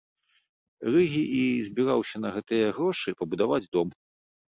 Рыгі і збіраўся на гэтыя грошы пабудаваць дом.